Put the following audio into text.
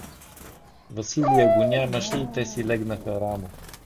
Василя го нямаше и те си легнаха рано.